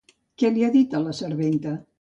Què li ha dit a la serventa?